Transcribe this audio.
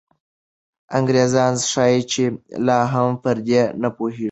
انګریزان ښایي چې لا هم په دې نه پوهېږي.